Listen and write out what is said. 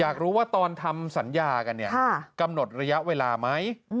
อยากรู้ว่าตอนทำสัญญากันเนี่ยกำหนดระยะเวลาไหม